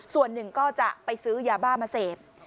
ส่วนหนึ่งก็จะไปซื้อยาบ้ามาเสพ